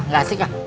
gak asik ah